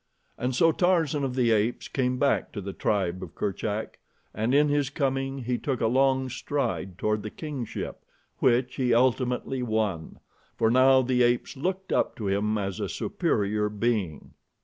And so Tarzan of the Apes came back to the tribe of Kerchak, and in his coming he took a long stride toward the kingship, which he ultimately won, for now the apes looked up to him as a superior being.